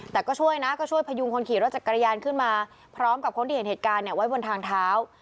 แต่ก็ช่วยนะก็ช่วยพยุงคนขี่รถจักรยานขึ้นมาพร้อมกับคนที่เห็นเหตุการณ์ไว้บนทางเท้า